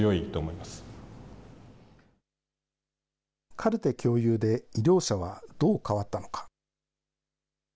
カルテ共有で、医療者はどう変わったのか。